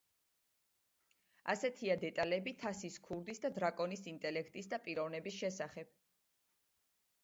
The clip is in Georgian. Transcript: ასეთია დეტალები თასის ქურდის და დრაკონის ინტელექტისა და პიროვნების შესახებ.